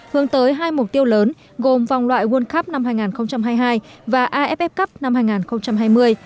hướng tới hai mục tiêu lớn gồm vòng loại world cup năm hai nghìn hai mươi hai và aff cup năm hai nghìn hai mươi